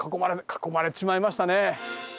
囲まれちまいましたね。